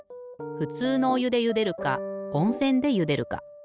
ふつうのおゆでゆでるかおんせんでゆでるか。